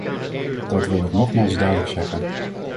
Dat wilde ik nogmaals duidelijk zeggen.